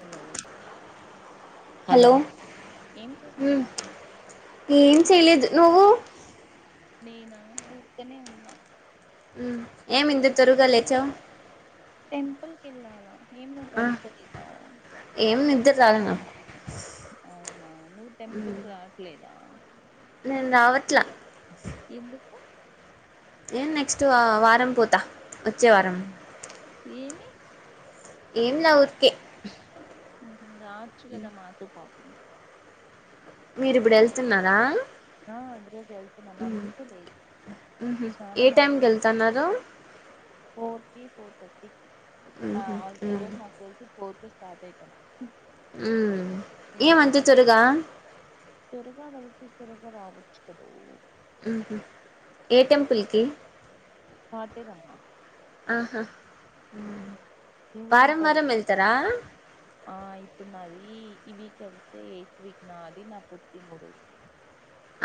Hello hello ఏం హ్మ్ చేస్తున్నావ్. ఏం చేయలేదు నువ్వు నేనా ఊరకనే ఉన్నా ఉ ఏమి ఇప్పుడే ఇందు తొరగా స్నానం లేచవ్. టెంపుల్ ఎళ్ళాళ ఏం నువ్ పడుకోలేదా. ఏం నిద్ర రాలే నాకు అవునా నువ్ టెంపుల్ రావట్లేదా. నేను రావట్లా ఎందుకు ఏ నెక్స్ట్ వారం పోతా వచ్చే వారం ఏమి ఏం వురికే రావచ్చు కదా మాతో పా మీరిప్పుడు వెళ్తున్నారా ఆ ఈరోజు వెళ్తున్నాం హ్మ్ అందుకే లేదు ఊహూ ఏ స్నానం టైంకి అయిపోయింది వెళ్తన్నారు ఫోర్ కి కో ద ఆ ఊహూ ఈ హ్మ్ రోజు నాకు తెలిసి ఊరికి స్టార్ట్ అయిత హ్మ్ ఏం అంత త్వరగా త్వరగా వెళ్తే త్వరగా రావచ్చు కదా హ ఏ టెంపుల్కి పాటేరమ్మా ఆహా నువ్వేం వారం వారం పడుకో వెల్తారా ఆ ఇప్పుడు నాది వీక్ అ ఎయిత్ వీక్ నా అది నా పుటి మడుల్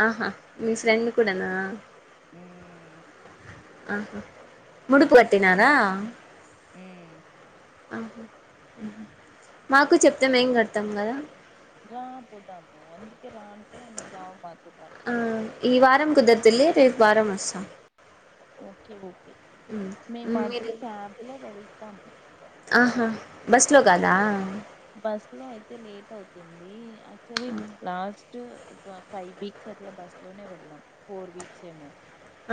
ఆహా మీ ఫ్రెండ్ కూడానా మ్మ్ ఆహా ముడుపు మ్మ్ కట్టినారా మ్మ్ ఆహాహా మాకు చెప్తాం ఏం కడతాం కదా రా పోదాము అందుకే రాన్ంటే నువ్వు రావ మా ఆ ఈ వారం కుదరదులే రేపు వారం వస్తా ఒకే ఒకే మేము ఉమ్ అది మీరు క్యాబ్ లో వెళ్తాం బస్ లో కాదా బస్ లో అయితే లేట్ అవుతుంది సరలాస్ ఒక ఫైవ్ వీక్స్ అట్లా బస్ లోనే వెళ్ళం ఫోర్ వీక్స్ ఏమో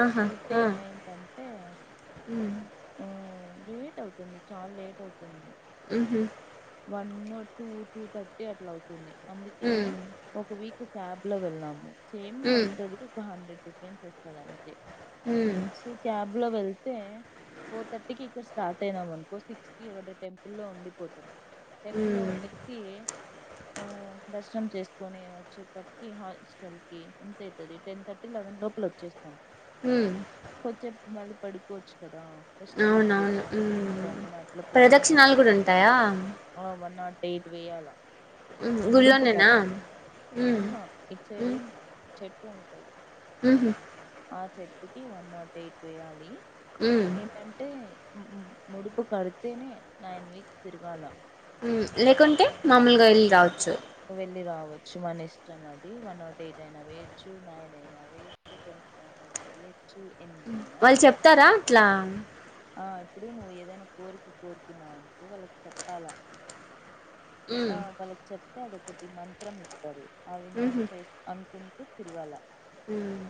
ఆహా వెళ్తే ఆ ఏమైంతంటే ఉమ్ లేట్ అవుతుంది చాలా లేట్ అవుతుంది అమ్ వన్ టూ టూ థర్టీ అట్లా అవుతుంది అందుకే ఉమ్ ఒక వీక్ క్యాబ్ లో వెళ్ళాము సేమ్ ఉమ్ వస్తుంది ఒక హండ్రెడ్ డిఫరెంట్ వస్తుా ఉమ్ స క లో వెళ్తే ఫోర్ థర్టీకి ఇక్కడ స్టార్ట్ అయినాం అనుకో సిక్స్ కి ఒక టెంపుల్ లో ఉండిపోతాం టెంపుల్ లో ఉమ్ ఉంటేసి ఆ దర్శనం చేసుకొని వచ్చేప్పటికి హాస్టల్ కి ఎంతవుతుంది టెన్ థర్టీ లెవెన్ లోపల వచ్చే ఉమ్ కొచ్చే మళ్ళీ పడుకోవచ్చు కదా రెస్ట్ తీసుకోవచ్చు అని అవునవును ఇంకా మేము అట్లా ప్లాన్ చేస్తాం ప్రదక్షిణాలు కూడా ఉంటాయా వన్ నాట్ ఎయిట్ వే్యాల ఉమ్ ముడుపు గుళ్ళోనేనా కడుతు ఉమ్ ఆహా ఇట్ సైడు చెట్ ఉంటది హ ఆ చెర్పుకి వన్ నాట్ ఎయిట్ వేయాలి ఉమ్ ఏమంటే ముడుపు కడుతేనే నాన్ వీక్ తిరుగాాల లేకుంటే మామూలుగా వెళ్ళ రావచ్చు వెళ్ళి రావచ్చు మన ఇష్టం అది వన్ నాట్ ఎయిట్ అయినా వేచ్చు నైన్ అయినా వేుె నైన్ అయినా వేు వాళ్ళు చెప్తారా అట్లా ఆ ఇప్పుడు నువ్వు ఏదైనా కోరిక కోరుకున్నావవునుకో వాళ్ళకి చెప్పాలా ఉమ్ ఆ పలచ అతే అదొకటి మంత్రం ఇస్త అది మనం ఉహు చే అ కొంటూ తిరగాల ఉమ్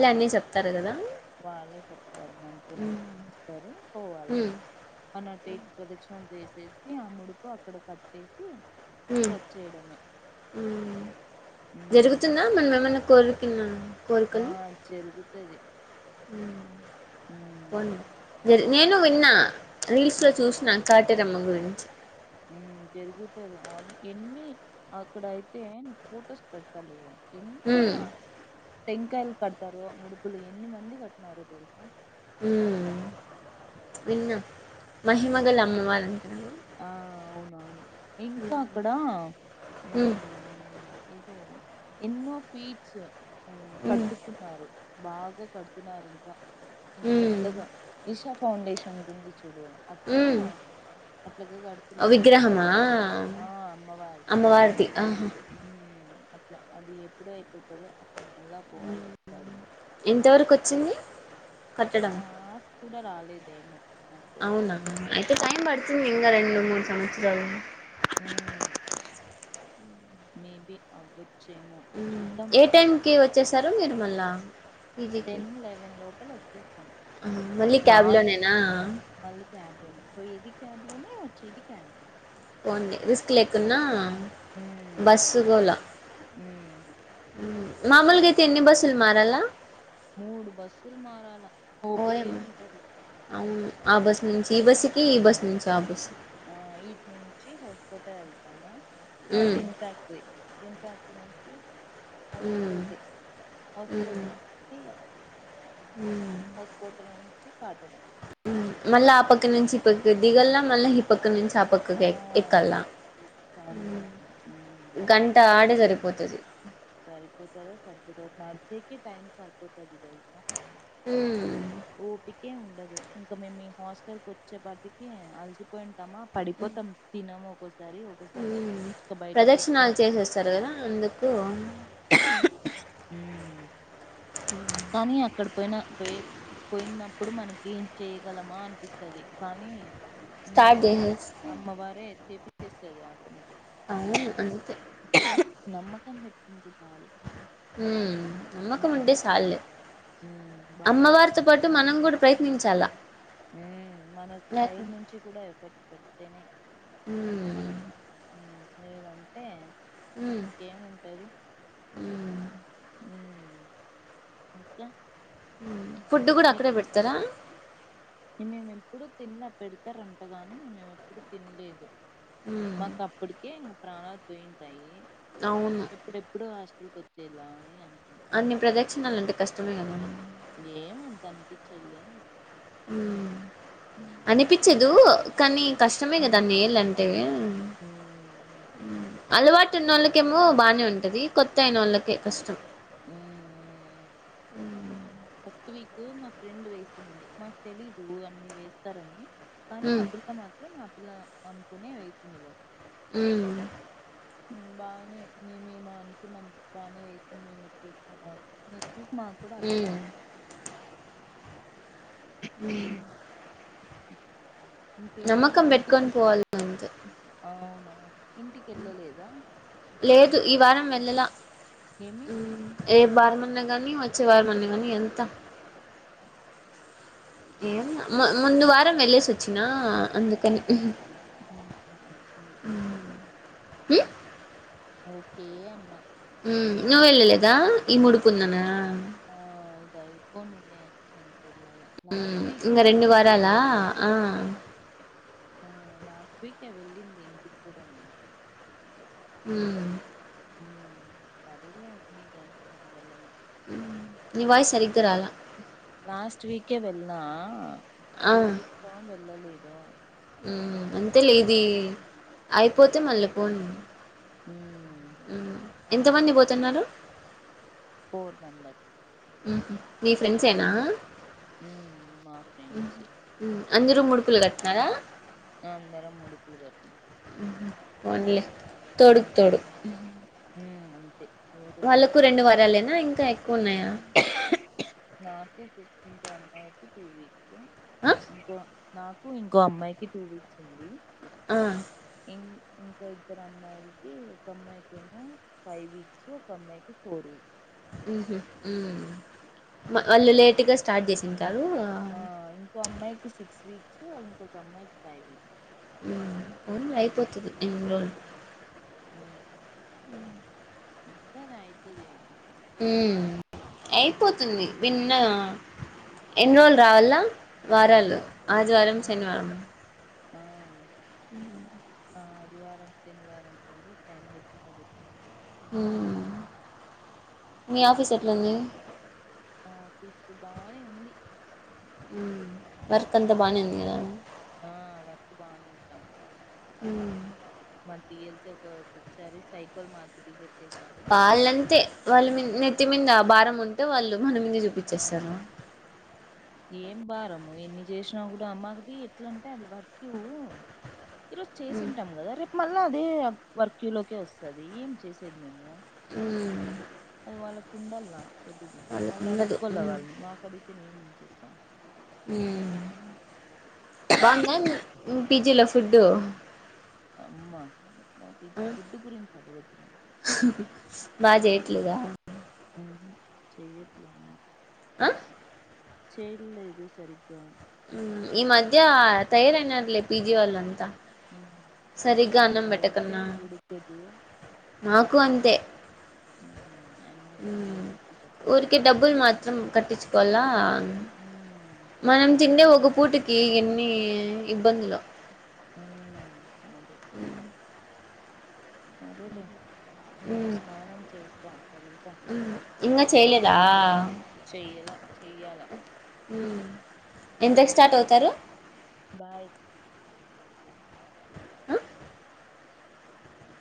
ఆ అన్నీ చెప్తారు కదా వాళ్ళే చెప్తారు మంత్రం ఉమ్ ఇస్తారు పోవాలా ఉమ్ అన ప్రదక్షిణ ం చేసేసి ఆ ముడుపు అక్కడ కట్టేసి వచ్చేయడమే ఉమ్ జరుగుతుందా మనం ఏమన్నా కోరిక పన్న ఆ జరుగుతుది హ పోనీ జరి నేను విన్నా రీల్స్ లో చూసినను కాట రమ్మ గుడి జరుగుతుది ఆ ఎన్ని అక్కడ అయితే ఫొటోస్ పెడాలి హమ్ టంకాయలు కడతారు ముడుపులు ఎన్ని మంది కట్టినార తెలుసా ఉ విన్న ఆ మహిమగ అమ్మవారి ఆ అవును అవును ఇంకా అక్కడ ఉ ఉమ్ ఏదో ఎన్నో స్వీట్స్ ఉమ్ పట్టుతున్నారు బాగా కడుతునాారు ఇంకా ఇంకా ఉమ్ పెద్దగా ఈషా ఫౌండేషన్ సంబంధించ [inaudible] చ ఉమ్ అట్లా అట్లాగ కడుతున్నారు విగ్రహమా అమ్మవారిది అమ్మవారిది ఆహా అట్లా అది ఎప్పుడు అయిపోతుందో అప్పుడు మళ్ళా పోవాలి ఒకసారి ఎంతవరకు వచ్చింది ఆ కుడ రాాల ఇదేము అవునావు అయితే టై ప ంది రెండు మూడు సంవత్సరాల మే బ అబుత ఏ టైం కి వచ్చేసారుో మీరు మళ్ళా అ టెన్ లెవెన్ లోపల వచ్చేస్తాం ఆ, మళ్ళీ స్ క్యాబ్లోనేనా మళ్ళీ క్యాబ్ లోనే పోయేది క్యాబ్ లోనే వచ్చేది క్యాబ్ లో పోంది రిస్క్ లేకున్నా ఉమ్, బస్సుగల ఉమ్. మామూలుగాతిని బసలు మారలా మూడు బస్సులు మారాలా ఓయబస్ నుంచి ఈ బస్సుకి ఈ బస్ నుంచి ఆ బస్ ఆ ఇట్ నుంచి హౌస్కోట వెళ్తామా హ మ్మ్ తిన్సాక్రీరేతిన్సా సి మ్మ్ హస్కోట మ్మ్ హస్కోకీ హస్పోట్ కాట్డి మళ్ళా ఆ పక్కం నుంచి ఇ పక్క దిగల్లా మళ్ళా ఈ పక్క నుంచి చపకు ఆ ఎక్కలా అది సం మ్మ్ గంట ఆడ జరుపు పోతది సరిపోతారా సరిపోత నర్సి కి టైమ్ సరిపోతది తెల్సా మ్మ్ ఓపిక ఉన్ దు ఇంకా మేము హాస్టల్ కి వచ్చే పాటికి అల్సిపోయింట్ మా పడిపోతాం తినము ఒక్కోసారి ఒక్కోసారి ఇంకా బయట తెచ్చుకోం ప్రదక్షిణలు చేసేస్తారు కదా అందుకు ఊ మ్ కానీ అక్క పోయినా పోయి పోయినప్పుడు మనకి ఏం చెయగలమా అనిపిస్తది కానీ స్టార్ట్ నీకే చేసేస్తే అమ్మవారే చేపిస్ వచ్చేస్తది ఆటోమేటిక్ అవును అందుకే నమ్మకం మీకు హ్మ్ నమ్మకం ఉమ్ ఉంటే చాల్లే ఉమ్ బాపబ అమ్మవారితో పాటు మనం కూడా ప్రయత్నించాల ఉ మన సైడ్ నుంచి కూడా ఎఫర్ట్ పెడితేనే మ్మ్ లేద అంతే మ్మ్ ఇంకేము ఉంటది మ్మ్ హు ఉ ఇంకా మ్మ్ ఫుడ్ కూడా మీ అక్కడే పెడతారా మేము ఎప్పుడు తినలే పెడతారంటగాని మేము ఎప్పుడు తినలేదు మ్మ్ మాకా అప్పుటికే ప్రాణాలు పోయింటే అవును ఎప్పుడెప్పుడు ఆ గుచ్చేలాని అంత అన్ని ప్రదక్షిణలు అంటే కష్టమే కదాండి ఏం అంత అనిపించదులే ఊ ఉమ్ అనిపించదు కనీ కష్టమే కదా ఉమ్ అన్నేళ్లంటే ఉమ్ ఉమ్ అలవాటు ఉన్నోళ్లకి కేమో బాగానే ఉంటది కొత్త అయిన వాళ్ళకే కష్టం ఉ ఉ ఉ ఫస్ట్ వీక్ మా ఫ్రెండ్ వేసింది మాకు తెలీదు అన్ని వేస్తారని కానీ ఆ హ్మ్ పిల్ల మాత్రం ఆ పిల్లా అనుకునే వేసింది ఊ బానే మే మేము అనుకున్నాం బానే వేసింది మేము వచ్చేసాము, మా కూడా అలవాటు హ్మ్ ఐపోయేది, ఉ ఇంకేంటి ఇంటికి పెట్టుకొని పోవాలి అంతే అవునా, ఇంటికి ఎళ్లలేదా, లేదు ఈ వారం వెళ్ళలా ఏమి ఊ ఏ వారం, మొన్న గాని వచ్చే వారం అన్నగాని ఎల్తా, ఏం ముందు వారం వెళ్లేసి వచ్చినా అందుకని, [inaudible] ఉ ఓకే అన్నా, నువ్వు వెళ్లలేదా ఈ మూడుపూఉంది అనా, ఆ ఇది అయిపోనీలే ఎం, వెళ్లాలా హ్మ్ లాస్ట్ వీకే ఇంగ రెండు వెళ్ళాం పిన్ని వారాలా ఆ అహ, ఆ లాస్ట్ వెకే వెళ్ళింది ఇంటికి కూడా నేను, ఊ ఊ సరెలే ని టైం కి వెళ్ళలే, ని వాయిస్ సరిగ్గరాల, లాస్ట్ వీకే వెల్లినా ఈ ఆ వీక్ లో వెళ్ళలేదు, తో హు అంతే లే ఇది అయిపోతే మల్ల పోండి, ఉమ్ ఉ ఎంతమంది పోతున్నారు, ఫోర్ మెంబర్, ఉహు నీ ఫ్రెండ్స్ ఏనా, ఉ మా ఫ్రెండ్స్ ఏ, మ్మ్ అందరూ ముడుపులు కట్టినారా, అందరం ముడుపులు కట్టినం, హు పోన్లే, తోడుకు ఉమ్ తోడు, ఉమ్ అంతే ఎవరు కు- వాళ్ళలకు రెండు వారాలేనా ఇంకా, ఇంకా ఎక్కువ ఉన్నాయా, నాకు ఇంక అమ్మాయికి టు వీక్, ఆ ఇంకో నాకు ఇంకో అమ్మాయికి టూ వీక్స్ ఉంది, ఆ ఇం ఇంకా ఇద్దరు అమ్మాయిలకి ఒక అమ్మాయికెమో ఫైవ్ వీక్స్ ఒక అమ్మాయికి ఫోర్ వీక్స్ హ్మ్ హు హ్మ్ వాళ్ళు లేటుగా స్టార్ట్ చేసిం ఆ ఇంకో అమ్మాయికి సిక్స్ వీక్స్ ఇంకో అమ్మాయికి ఫైవ్ వీక్స్ పోనిలే అయిపోతది ఎన్ని రోజులు హ్మ్ ఇంతది అయిత ఇగ హ్మ్ అయిపోతుం విన్న ఎన్రోల్ రావాల వారాలు ఆదివారం శనివారం ఆ హ్మ్ ఆ అదివారం శనివారం అంతల్ టైమ్ [inaudible] హ్మ్ మీ ఆఫీస్ ఎట్లా ఉంది ఆ ఆఫీస్ బానే ఉంది హ్మ్ వర్క్ అంత బానే ఉంది కాదా ఆ వర్క్ బానే [inaudible] హ్మ్ మన టీఎల్సీ ఒకొసారి సైకోల్ మాదిరి బిహేవ్ చేశారు వాళ్ళంతే వాళ్ళ నెత్తిమింద భారం ఉంటే వాళ్ళు మనం మింద ఆ చూపించేస్తారు ఏం భారము ఎన్ని చేసినా కూడా అమ్మాకిది ఎట్లంటే అది వర్క్ ఈ రోజు చేసింటాం కదా రేపు మళ్ళ అదే వర్క్యూ లోకే వస్తది ఏం చేసేది మేము హ్మ్ అది వాళ్ళ కు ఉండలా తెలిది వాళ్ళకు వాళ్ళు ఉండదు అడుక్కోలే వాళ్ళని మాకు అడిగితే మేము ఎం చె చేస్తాం హ్మ్ బాగుందా మీ పిజీలో ఫుడ్ అమ్మా పిజీ ఫుడ్ గురించి అడగదు ఇట్లేదా చేయట్లే అమ్మ ఆ సక స [inaudible] చేయలేదు సరిగా హ్మ్ ఈ మధ్య తయారు అయినారులే పిజి వాల్ అంతా అసలు సరిగ్గా ఆ అన్నం రైసే పెట్టకున్నా ఉడకదు మాకు అంతే ఆయమ్మకి ఏమొచ్చి చస్తదో ఊరికే ఏమో డబ్బులు మాత్రం కట్టించుకోవాలా ఉమ్ మనం తింటే ఒక పూట ఈ ఎన్ని ఇబ్బందులు ఉమ్ హ్మ్ సరే లే నేను మ్మ్ స్నానం చేస్త అ ఇంగా చేయలేదా చెయ్యలా చెయ్యాలా ఎంతకు స్టార్ట్ సరే అవుతారు బాయ్ ఆ